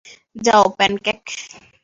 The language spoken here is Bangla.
যাও, প্যানকেক।